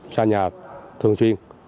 xa nhà thường xuyên